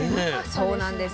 そうなんです。